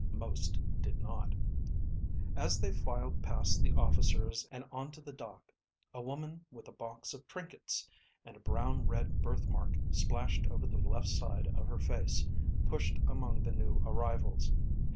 Most did not. As they filed past the officers and onto the dock, a woman with a box of trinkets and a brown red birthmark splashed over the left side of her face pushed among the new arrivals.